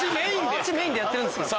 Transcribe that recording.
あっちメインでやってるんすけど。